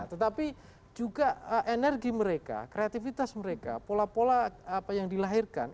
tetapi juga energi mereka kreativitas mereka pola pola apa yang dilahirkan